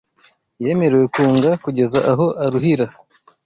Yemerewe kunga kugeza aho aruhira